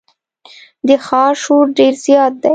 د ښار شور ډېر زیات دی.